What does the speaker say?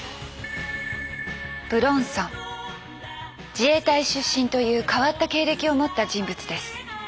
自衛隊出身という変わった経歴を持った人物です。